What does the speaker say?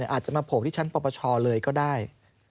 อาจจะมาโผล่ที่ชั้นปปชเลยก็ได้